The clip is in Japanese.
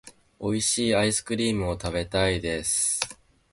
美味しいアイスクリームを食べたいです。